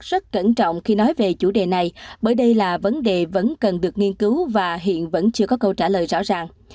rất cẩn trọng khi nói về chủ đề này bởi đây là vấn đề vẫn cần được nghiên cứu và hiện vẫn chưa có câu trả lời rõ ràng